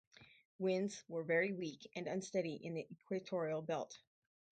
Winds were very weak and unsteady in the equatorial belt.